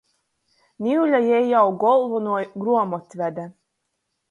Niule jei jau golvonuo gruomotvede.